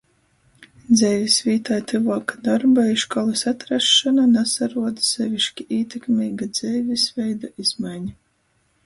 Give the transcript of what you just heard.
Dzeivis vītai tyvuoka dorba i školys atrasšona nasaruod seviški ītekmeiga dzeivis veida izmaiņa.